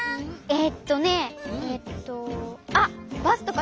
えっとねえっと。